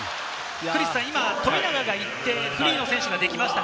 富永が行って、フリーの選手ができました。